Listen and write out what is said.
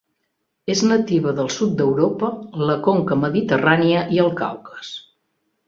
És nativa del sud d'Europa, la conca mediterrània i el Caucas.